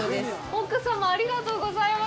奥様、ありがとうございます。